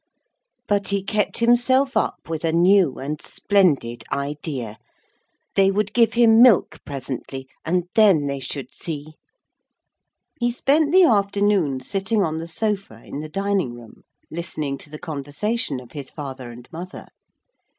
But he kept himself up with a new and splendid idea. They would give him milk presently, and then they should see. He spent the afternoon sitting on the sofa in the dining room, listening to the conversation of his father and mother.